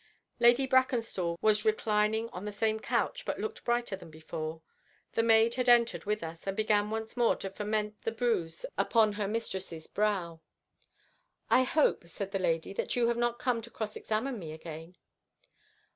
Lady Brackenstall was reclining on the same couch, but looked brighter than before. The maid had entered with us, and began once more to foment the bruise upon her mistress's brow. "I hope," said the lady, "that you have not come to cross examine me again?"